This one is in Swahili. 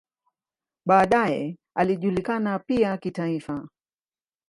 Baadaye alijulikana pia kitaifa.